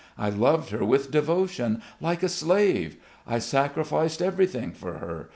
I loved her with devotion, like a slave. I sacrificed everything for her.